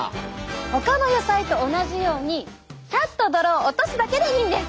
ほかの野菜と同じようにさっと泥を落とすだけでいいんです。